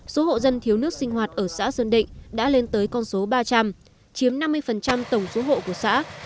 số hộ dân thiếu nước sinh hoạt ở xã sơn định đã lên tới con số ba trăm linh chiếm năm mươi tổng số hộ của xã